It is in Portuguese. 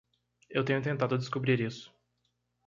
Eu tenho tentado descobrir isso.